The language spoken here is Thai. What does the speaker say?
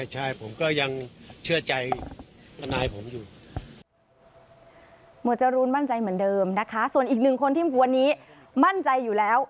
หมวดจรูนมั่นใจเหมือนเดิมนะคะส่วนอีกหนึ่งคนที่มีควรนี้มั่นใจอยู่แล้ว